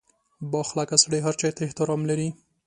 • بااخلاقه سړی هر چا ته احترام لري.